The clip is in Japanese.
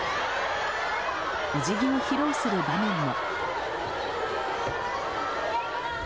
お辞儀を披露する場面も。